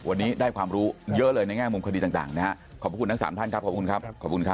วันนี้ได้ความรู้เยอะเลยในแง่มุมคดีต่างนะครับ